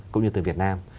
cũng như từ việt nam